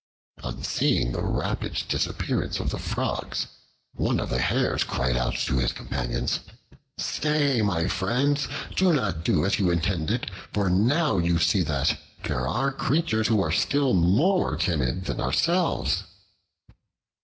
On seeing the rapid disappearance of the Frogs, one of the Hares cried out to his companions: "Stay, my friends, do not do as you intended; for you now see that there are creatures who are still more timid than ourselves."